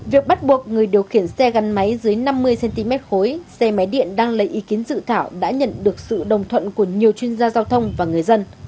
việc bắt buộc người điều khiển xe gắn máy dưới năm mươi cm khối xe máy điện đang lấy ý kiến dự thảo đã nhận được sự đồng thuận của nhiều chuyên gia giao thông và người dân